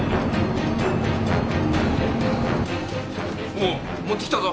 おぅ持って来たぞ。